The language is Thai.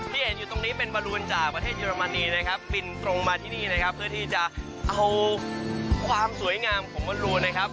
เห็นอยู่ตรงนี้เป็นบารูนจากประเทศเยอรมนีนะครับบินตรงมาที่นี่นะครับเพื่อที่จะเอาความสวยงามของมดรูนนะครับ